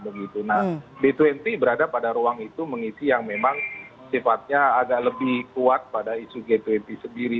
nah b dua puluh berada pada ruang itu mengisi yang memang sifatnya agak lebih kuat pada isu g dua puluh sendiri